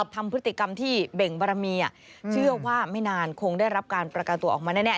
ทำพฤติกรรมที่เบ่งบารมีเชื่อว่าไม่นานคงได้รับการประกันตัวออกมาแน่